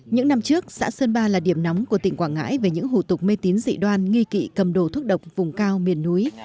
những năm trước xã sơn ba là điểm nóng của tỉnh quảng ngãi về những hủ tục mê tín dị đoan nghi kỵ cầm đồ thúc độc vùng cao miền núi